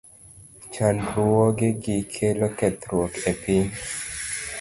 Chandruogegi kelo kethruok ne piny.